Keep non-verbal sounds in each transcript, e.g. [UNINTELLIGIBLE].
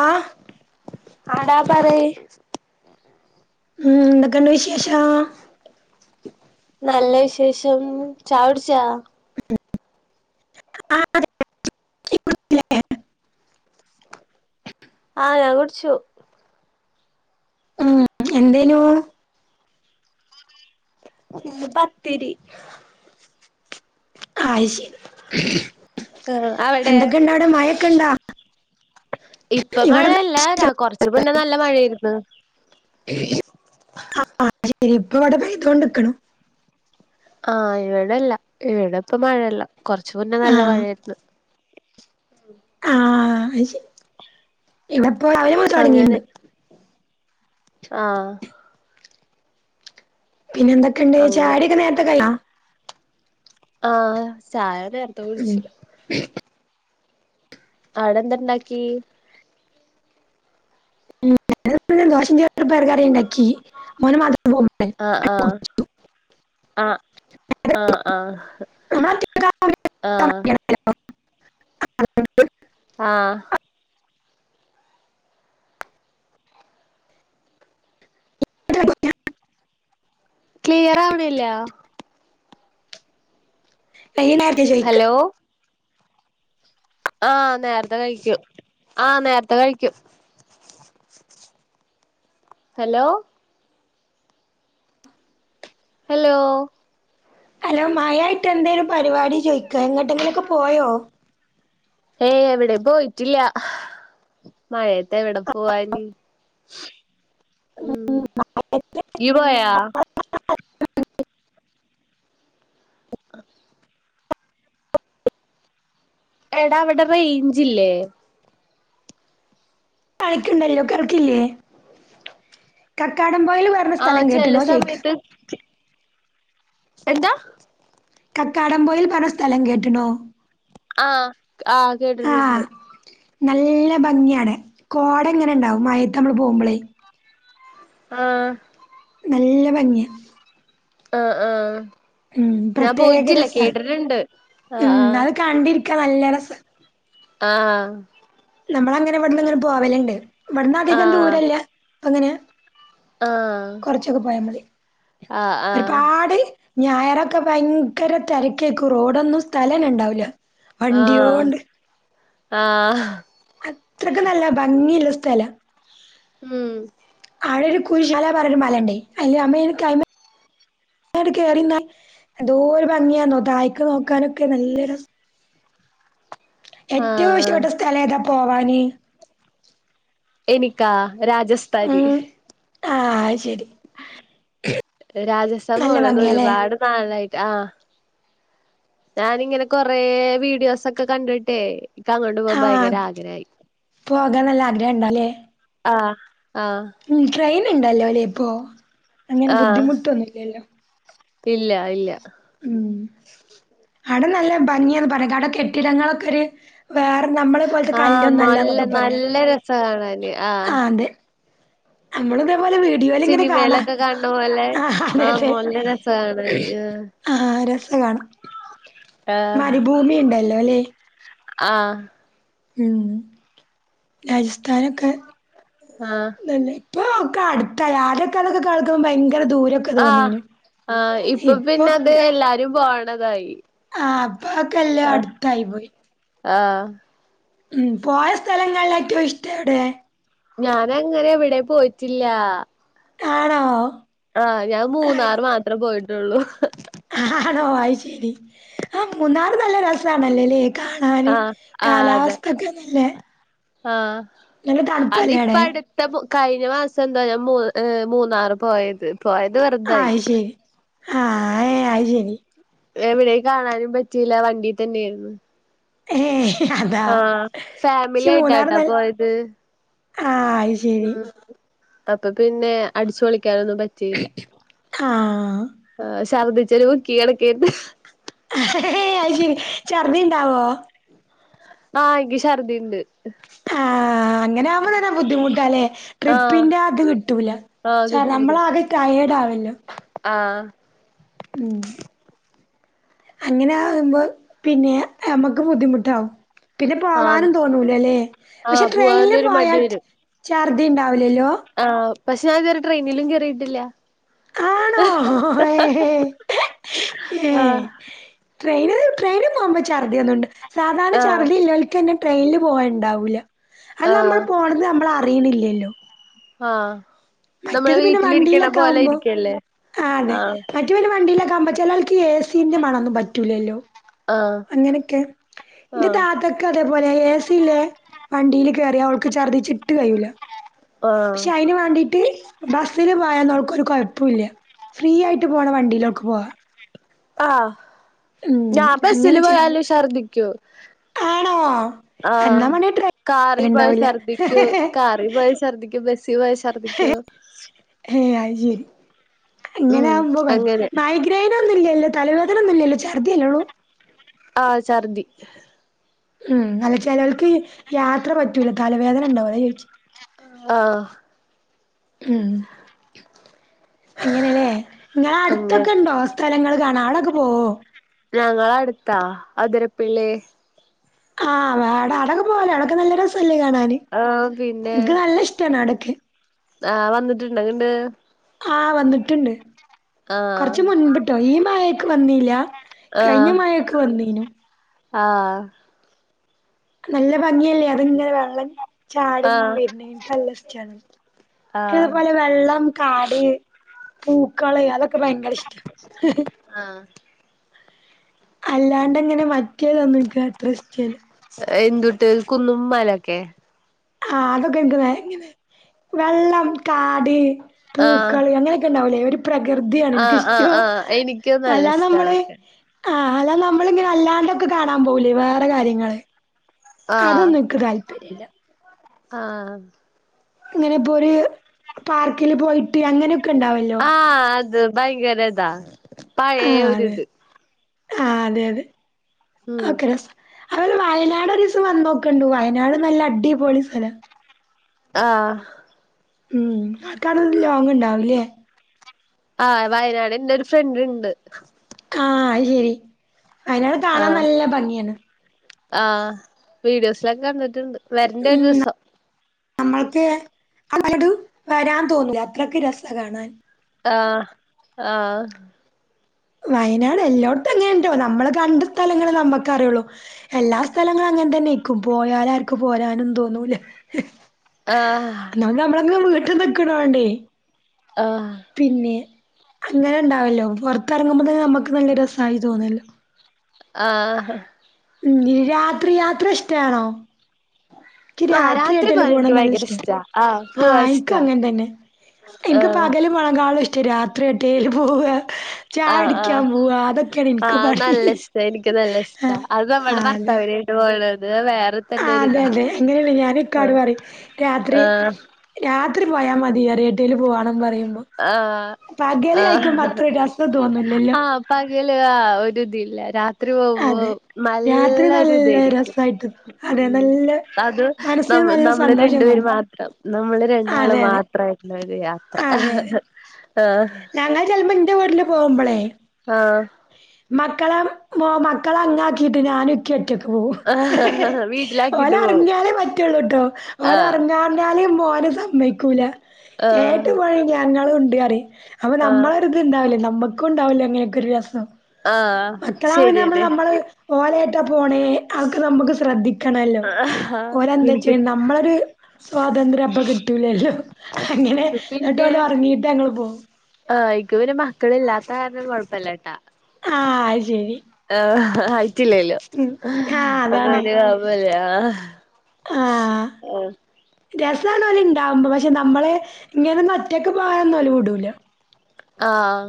ആഹ് ആടാ പറയ്.. ഉ എന്തൊക്കെണ്ട് വിശേഷം നല്ല വിശേഷം ചായുടിച്ചോ ആ [INAUDIBLE] ആഹ് ഞാൻ കുടിച്ചു ഉം എന്തേനു പത്തിരി അയ്ശരി ആഹ് അവിടെ എന്തൊക്കെണ്ടവിടെ മയൊക്കെണ്ടോ ഇപ്പം മഴെല്ലാ രാ കൊർച്ച് മുന്നെ നല്ല മഴേര്ന്ന് ആ ശരി ഇപ്പബടെ പെയ്തോണ്ടിക്കിണു ആഹ് ഇവിടെല്ല ഇവിടെ ഇപ്പ മഴെല്ല കൊർച്ച് മുന്നെ ആ നല്ല മഴേര്ന്ന് ആഹ് അയ്ശെ ഇവിടെപ്പോ രാവിലെ തൊടങ്ങീണ്ട് അങ്ങനെ ആഹ് പിന്നെ എന്തൊക്കെണ്ട് അങ്ങനെ ചായുടി ഒക്കെ നേര്ത്തെക്കയ്ഞ്ഞാ ആഹ് ചായുടി ഉം അവ്ടെന്തണ്ടാക്കി [UNINTELLIGIBLE] പയറ് കറിണ്ടാക്കി ഒന് മദ് [UNINTELLIGIBLE] ആഹ് ആഹ് ആഹ് ആഹ് ആഹ് ആഹ് ആഹ് [UNINTELLIGIBLE] ക്ലിയറാവ്ണില്ലാ [UNINTELLIGIBLE] ഹലോ ആഹ് നേര്ത്തെ കഴിച്ചു ആഹ് നേരത്തെ കഴിക്കും ഹലോ ഹലോ ഹലോ മായായ്ട്ടെന്തേനു പരിപാടി ചോയ്ക്ക എങ്ങട്ടെങ്കിലൊക്കെ പോയോ ഏയ് എവിടെം പോയ്റ്റില്ല മഴേത്തെവിടെ പോവാന് ഉം യ്യുപോയാ എടാ അവിടെ റെയ്ഞ്ചില്ലേ അയ്ക്കിണ്ടല്ലോ കേൾക്കില്ലേ കക്കാടം പൊയ്ല് പോയ് ആഹ് ചെലെ സമയ്ത്ത് ചെ എന്താ കക്കാടം പൊയിൽ പർ ഞ്ഞ സ്ഥലം കേട്ടിനോ ആഹ് ആഹ് കേട്ടിട്ടുണ്ട് ആഹ് നല്ല ഭംഗ്യാണ് കോടെങ്ങനെണ്ടാവും മയേത്തമ്മള് പോമ്പ്ളേ ആഹ് നല്ല ഭംഗ്യാ ആഹ് ആഹ് ഉം പ്രത്യേക ഞാപോയ്റ്റില്ല കേട്ടിട്ടിണ്ട് ആഹ് ആഹ് കണ്ടിര്ക്ക നല്ല രസ ആഹ് നമ്മളങ്ങനവ്ടിന്നിങ്ങനെ പോവലിണ്ട് ഇവിടന്നതീകം ആഹ് ദൂരല്ല അപ്പങ്ങനെ ആഹ് കൊർച്ചൊക്കെ പോയ മതി ആഹ് ആഹ് ഒര്പാട് ഞായറൊക്കെ ഭയങ്കര തിരക്കേക്കും റോഡൊന്നും സ്ഥലന്നുണ്ടാവൂല്ല ആഹ ആഹ അത്രക്ക് നല്ല ഭംഗിള്ള സ്ഥല ഉം അവിടെരു കുരുശാല പർഞ്ഞൊര് മലണ്ടേ അയ്ല് അമേരു ക അങ്ങട്കേറിന്ന എന്തോരു ഭംഗ്യാന്നോ തായെക്ക് നോക്കാനൊക്കെ നല്ലരസ ഏറ്റോം ഇഷ്ട്ട ആഹ് പ്പെട്ട സ്ഥലേതാ പോവാന് എനിക്കാ രാജസ്ഥാന് ഉം ആഹ് ശരി രാജസ്ഥാൻ നല്ല പോണോ ന്ന് ഭംഗിയാല്ലേ ഒരുപാട് നാളായിട്ട് ആഹ് ഞാനിങ്ങനെ കൊറേ വീഡിയോസ് ഒക്കെ കണ്ടിട്ടേ ഇക്ക് അങ്ങോട്ട് പോകാ ൻ ആഹ് ഭയങ്കര ആഗ്രാ യി പോകാൻ നല്ല ആഗ്രഹം ആഹ ആഹ ഉ ട്രെയിൻ ഉണ്ടല്ലോ അല്ല്യേ ഇപ്പൊ അങ്ങനെ ആഹ് ബുദ്ധിമുട്ടൊന്നുഇ ല്ല്യ ല്ലോ ഇല്ല ഇല്ല ഉം അവിട നല്ല ഭംഗിയന്ന് പറയാ അട കെട്ടിടങ്ങളൊക്കെ ഒരു വേറെ നമ്മളെ പോലത്തെ ആഹ് നല്ല കല്ല്ന്നുംല്ലന്നൊക്കെ പറയ നല്ല രസ കാണാന് ആഹ് ആ അതെ നമ്മൾ ഇതേപോലെ വീഡിയോയില് ഇങ്ങനെ കാണാ സിനിമയിലൊക്കെ കാണണ പോലെ ആ ആഹ് അതെതെ നല്ല രസ കാണാന് ആഹ് രസ കാണാ ആ മരുഭൂമി ഇണ്ടല്ലോ ല്ലേ ആഹ് ഉം രാജസ്ഥാനൊക്കെ ആഹ് ഇപ്പൊ ഒക്കെ അടുത്ത ആദൃക്കതൊക്കെ കേൾക്കുമ്പോ ഭയങ്കര ദൂരം ആഹ് ആഹ് ഇപ്പൊ പിന്നെ അത് ഇപ്പൊക്കെ എല്ലാരും പോകണതായി ആഹ് ഇപ്പതക്കെല്ല അടുത്തായി പോയി ആഹ് ഉം പോയ സ്ഥലങ്ങളിലേറ്റോം ഇഷ്ടം എവിടെ? ഞാനങ്ങനെ എവിടെ പോയിട്ടില്ല ആണോ? ആഹ് ഞാൻ അയ് മൂന്നാറ് മാത്രം പോയിട്ടുള്ളൂ ആണോ ആയിശരി ആഹ് മൂന്നാറ് നല്ല രസണല്ലേല്ലേ കാണാന് ആഹ് ആഹ് അതെ കാലാവസ്ഥക്കെ നല്ല ആഹ് തണുപ്പല്ലേ അത്പ്പ അവിടെ അടു ത്ത കഴിഞ്ഞ മാസം ന്താ ഞാൻ മ് മൂന്നാറ് പോയത് പോയത് വെറ് ആയിശരി ആഹ് എ ആയിശരി എവിടെ കാണാനും പറ്റില്ല വണ്ടി തന്നെയിരുന്നു ഏഹ് അതാ പക്ഷെ ഫാമിലി മൂന്നാർ ആയിട്ടാട്ടാ ന്നാൽ ആഹ് അയ്ശെ ഉം അപ്പൊ പിന്നെ അടിച്ചുൊളിക്കാനൊന്നും പറ്റില്ല ആഹ് ആശ് ഛർദ്ദിച്ച ഒരു മുക്കി കടക്കര്ന്നു എഹ് അയ്ശരി ഛർദി ഉണ്ടാവോ? ആ ഇക്ക് ശർദി ഇണ്ട് ആഹ് അങ്ങനെ ആവുമ്പോ തന്നെ ബുദ്ധിമുട്ട് അല്ലേ ആഹ് ട്രിപ്പിന്റെ ത് കിട്ടൂല ആഹ് കിട്ടൂല നമ്മളാകെ ട്ടയേർഡ് ആവല്ലോ ആഹ് ഉം അങ്ങനെ ആകുമ്പോ പിന്നെ നമ്മുക്ക് ബുദ്ധിമുട്ടാവും പിന്നെ ആഹ് പോവാനും. തോന്നൂല ല്ലേ പക്ഷെ ആഹ് ട്രെയിനിൽ പോവാനൊരു മടി പോയാൽ വരും ഛർദ്ധി ഉണ്ടാവില്ലല്ലോ? ആഹ് പക്ഷെ ഞാൻ ഇതുവരെ ട്രെയിനിലും കേറിയിട്ടില്ല ആണോ എഹ് എ ആഹ് ട്രെയിന്‌ ട്രെയിനും പോകുമ്പോ ഛർദി ഒന്നുംണ്ട് സാധാരണ ആഹ് ഛർദി ഇല്ലോൽ ന്നെ ട്രെയിനിൽ പോകുണ്ടാവൂില്ല അത് നമ്മൾ ആഹ് പോണെത് നമ്മൾ അറിണില്ലല്ലോ ആഹ് നമ്മള് മറ്റേത് പിന്നെ വീട്ടിലിരിക്കണ വണ്ടിയിലൊക്കെ പോലെ ആകുമ്പോ ഇരിക്കല്ലേ ആഹ് അതെ മറ്റവ വണ്ടിയില കമ്പച്ചില ആൾക്ക് എ സിന്റെ മണൊന്നും പറ്റൂലല്ലോ ആഹ് അങ്ങനൊക്കെ ഇന്റെ ആഹ് താത ക്ക് അതേപോലെ ഏ സി യിലെ വണ്ടിയിൽ കയറിയ അവൾക്ക് ഛർദിച്ചിട്ട് കയൂല്ല ആഹ് ക്ഷെ അയ്ന് വാണ്ടി ട്ട് ബസ്സില് പോയഒന്നും അവക്ക് ഒരു കുഴപ്പോം ഇല്ല ഫ്രീ ആയിട്ട് പോണ വണ്ടില് അവൾക്ക് പോവാ ആഹ് ഉം ഞാൻ അങ്ങനെ ബസില് ചെ പോയാലും ശർദിക്കും ആണോ? എന്നാ വേണേ ട്രെയി കാറി പോയ ശർദ്ദിക്കും കാറി പോയ ശർദ്ദിക്കും ബസ്സിൽ പോയ ശർദിക്കും ഹേ അത് ശരി അങ്ങനെ ഉം ആകുമ്പോ പറ്റ് അങ്ങനെ മഴ ഗ്രൈനൊന്നും ഇല്ലല്ലോ തലവേദനൊന്നുമില്ലല്ലോ ഛർദ്ധി യല്ലേള്ളൂ ആഹ് ഛർദ്ധി ഉം അല്ല ചെലോൽക്ക് യാത്ര പറ്റൂല തലവേദന ഉണ്ടാവും അതാ ചോദിച്ചു ആഹ് ഉം അങ്ങനെല്ലേ അങ്ങനെ നിങ്ങളടുത്തൊക്കെണ്ടോ സ്ഥലങ്ങൾ കാണാ അവിടൊക്കെ പോവോ? ഞങ്ങളടുത്താ അതിരപ്പിള്ളി ആഹ് വട അവടക്ക് പോവാലേ അവടെക്ക് നല്ല രസല്ലേ കാണാന് ആഹ് പിന്നെ എനിക്ക് നല്ല ഇഷ്ടാണ് അവിടൊക്കെ ആഹ് വന്നിട്ടിണ്ടൊ ങ്ങിട്ട് ആഹ് വന്നിട്ടുണ്ട് കുറച്ച് ആഹ് മുൻപിട്ടോ ഈ മയയിക്ക് വന്നീല്ല കയിഞ്ഞ ആഹ് മയക്കെ വന്നീനു ആഹ് നല്ല ഭംഗിയല്ലേ അത്ങ്ങനെ വെള്ളം ചാടിങ്ങ് ആഹ് വരുന്നെ എനിക്ക് നല്ല ഇഷ്ടാണ് ആഹ് പിന്നതുപോലെ വെള്ളം കാട് പൂക്കള് അതൊക്കെ ഭയങ്കര ഇഷ്ട്ടാ ങ്‌ ഹ് ഹ് ആഹ് അല്ലാണ്ട്ങ്ങനെ മറ്റേതൊന്നും എക്ക് അത്രഷ്ടല്ല എന്തുട്ട് കുന്നും മലൊക്കെ ആഹ് അതൊക്കെ എനിക് വയങ്കര വെള്ളം കാട് ആഹ് പൂക്കള് അങ്ങനെയൊക്കെണ്ടാവൂലേ ഒരു ആഹ് ആഹ് പ്രകൃതിയാണെനിക്കിഷ്ടം ആഹ് എനിക്കും നല്ല അല്ലാ ഇഷ്ടാ നമ്മള് അതൊക്കെ ആഹ് അല്ലാ നമ്മളിങ്ങനെ അല്ലാണ്ടൊക്കെ കാണാമ്പോവൂലെ വേറെ കാര്യങ്ങള് ആഹ് അതൊന്നുംക്ക് താല്പര്യല്ല ആഹ് ഇങ്ങനെ ഇപ്പോര് പാർക്കിൽ പോയിട്ട് അങ്ങനെ ആഹ് അത് ഭയങ്കരതാ ആഹ് അതെ ആഹ് അതെയതേ ഉം ഓക്കെ രസ അവര് വയനാട് ഒരീസം വന്ന് നോക്കണ്ടു വയനാട് നല്ല അടി പൊളി സലാ ആഹ് ഉം ആൾക്കാട്ന്ന് ലോങ്ങ്‌ണ്ടാവില്ലേ ആഹ് വയനാട്ന്റെ ഒര് ഫ്രണ്ട്ണ്ട് ആഹ് അയ്ശെരി വയനാട് കാണാൻ നല്ല ഭംഗിയാണ് ആ വീഡിയോസിലൊക്കെ കണ്ടിട്ടുണ്ട് വരണ്ട് ഒരു ദിവസം അമ്മൾക്ക് [UNINTELLIGIBLE] വരാൻ തോന്നൂല അത്രക്ക് രസാ കാണാൻ ആഹ് ആഹ് വയനാട് എല്ലോട്ത്തും എങ്ങനുണ്ടോ നമ്മള് കണ്ട സ്ഥലങ്ങള് നമ്മക്കറിയുള്ളു എല്ലാ സ്ഥലങ്ങളും അങ്ങൻതന്നായിരിക്കു പോയാലാര്ക്കു പോരാനും തോന്നൂല ആഹ് [UNINTELLIGIBLE] നമ്മളങ്ങു വീട്ടിൽ നിക്കണ് വേണ്ടേ ആഹ് പിന്നെ അങ്ങനെണ്ടാവല്ലോ പൊറത്തെറങ്ങുമ്പോെ തന്നെ നമ്മുക്ക് നല്ല രസായി തോന്നുവല്ലോ ആഹ് ഉം രാത്രി യാത്ര ഇഷ്ടാണോ? എക്ക് ആഹ് രാത്രി ആയിട്ടെല്ലാ പോവാൻ പോണ എനിക്ക് ഭയങ്കര നല്ലിഷ്ട ഇഷ്ടാ പോവാൻ ആഹ് എക്കും ഇഷ്ടാ അങ്ങൻതന്നെ എനിക്ക് ആഹ് പകല് മളങ്കാളം ഇഷ്ട രാത്രി എട്ടേല് പോവ ആഹ് ആഹ് ആഹ് പണി നല്ല ഇഷ്ട എനിക്ക് നല്ല ഇഷ്ട ആഹ് അത് നമ്മുടെ ആഹ് അതെ ഭർത്താവിന് [UNINTELLIGIBLE] ആഹ് അതെതെ [UNINTELLIGIBLE] ഞാനു ഇക്കാട് പറെം രാത്രി ആഹ് രാത്രി പോയാ മതി പറയു ഏട്ടേല് പോവാണം പറയുമ്പോ ആഹ് പകല് കഴിക്കുമ്പോ ആഹ് അത്ര രസം തോന്നൂല്ലല്ലോ ആഹ് പകല് ആ ഒര്തില്ല രാ ത്രി പോവ്മ്പോ അതെ രാത്രി നല്ല നല്ലൊരുതേയിക്കു രസായിട്ട് അതെ നല്ല അത് ന മനസ്സിന് നല്ല നമ്മള് സന്തോഷം രണ്ടു പേര് തന്നു മാത്രം നമ്മള് രണ്ടാള് അതെ അതെ മാത്രം മാത്രമായിട്ടുള്ള യാത്ര അതെ അതെ ആഹ ഞങ്ങൾ ചിലുമ്പോ എന്റെ വീട്ടില് പോകുമ്പോളെ ആഹ മക്കളെ മ മക്കളെ അങ്ങാക്കിയിട്ട് ഞാൻ ഒറ്റക്ക് പോ ആഹ് വീട്ടിലാക്കിട്ട് പോവും ഓലറങ്ങാലേ പറ്റുള്ളൂ കേട്ടോ ഓല [INAUDIBLE] ആഹ് പറഞ്ഞാലും പോലും സമ്മയിക്കൂല ആഹ് [UNINTELLIGIBLE] അവിടെ ആഹ് [UNINTELLIGIBLE] ഇണ്ടാവില്ലേ നമ്മക്കും ഉണ്ടാവില്ലേ അങ്ങനെയൊക്കെ ഒരു രസം ആഹ് മക്കളാവു പിന്ന നമ്മൾ ശരിയന്നെ നമ്മള് ഓലായിട്ടാ പോണേ അതൊക്കെ നമുക്ക് ശ്രദ്ധിക്കണല്ലോ ആഹ് ഓരന്താ എനിക്ക് വച്ച നമ്മളൊരു സ്വാതന്ത്ര്യ അപ്പ കിട്ടൂലല്ലോ അങ്ങനെ എന്നിട്ട് പോലും ഇറങ്ങീട്ട് ഞങ്ങൾ പോകും ആ ഇക്ക് പിന്നെ മക്കള ഇല്ലാത്ത കാരണം കൊഴപ്പില്ലട്ടാ ആഹ അ ശരി ആഹ ആയിട്ടില്ലല്ലോ ഉം ആഹ് [UNINTELLIGIBLE] അതാണ്. പറയാ ആഹ രസമാണ്ല ഉണ്ടാാവുമ്പോ പക്ഷെ നമ്മളെ ഇങ്ങനൊും ഒറ്റക്ക് പോകാനന്നുംല വിടുല്ല ആഹ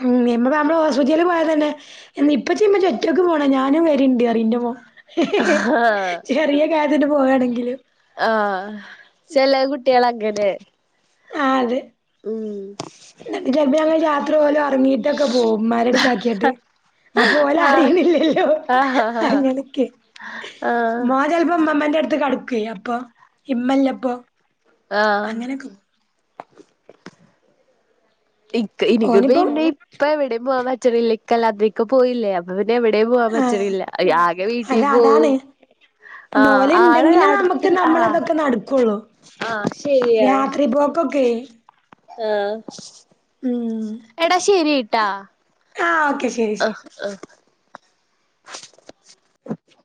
ഉ ന്മ നമ്മടെ ഹോസ്പിറ്റലിൽ പോയ തന്നെ ഇപ്പൊ ചെയ്യുമ്പോ ചെറ്റോക്ക് പോേ ഞാനും വരുണ്ട് അറിന്റെ പോ ആഹ് ചെറിയ [UNINTELLIGIBLE] പോകയാണെങ്കിലും ആഹ ചെല കുട്ടികൾ അങ്ങനെ ആ അതെ ഉം ചിലപ്പോ ഞങ്ങൾ യാത്ര പോലും ഇറങ്ങിയിട്ടൊക്കെ പോകും ഉമ്മാടുത്താക്കിയിട്ട് അപ്പോൾ ഓൾ ആഹ് അറിയണില്ലല്ലോ ആഹ് അങ്ങനക്ക് ആഹ് മോൻ ചിലപ്പോ ഉമ്മമ്മന്റെ അടുത്ത് കടക്ക അപ്പൊ ഇമ്മല്ല അപ്പൊ ആഹ് [UNINTELLIGIBLE] അപ്പൊ ഓനിപ്പം പിന്നെ എവിടെയും പോവാൻ ആഹ് പറ്റണില്ല ആകെ വീട്ടിൽ അത പോവും അതാണ് ആഹ ഓല് ആള് ഇണ്ടെങ്കില് അടുത്തി നമുക്ക് ആഹ നമ്മളതൊക്കെ നടക്കുള്ളൂ. ആഹ ശരിയാ രാത്രി പോക്കൊക്കെ ആഹ ഉം എടാ ശ്ശേരി ട്ടാ ആ ഓക്കെ ശരി ശരി. ആഹ് ആഹ്‌ [INAUDIBLE]